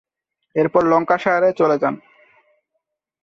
এরপর ল্যাঙ্কাশায়ারের চলে যান।